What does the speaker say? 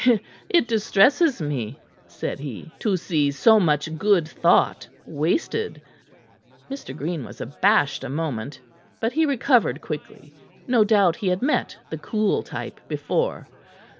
"It distresses me," said he, "to see so much good thought wasted." Mr. Green was abashed a moment. But he recovered quickly; no doubt he had met the cool type before.